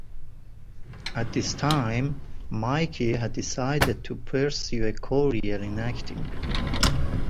At this time, Mickey had decided to pursue a career in acting.